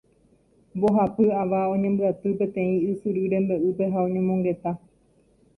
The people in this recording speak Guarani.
"Mbohapy ava oñembyaty peteĩ ysyry rembe'ýpe ha oñomongeta.